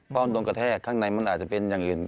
ป้องตรงกระแทกข้างในมันอาจจะเป็นอย่างอื่น